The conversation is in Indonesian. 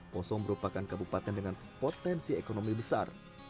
poso merupakan kabupaten dengan potensi ekonomi besar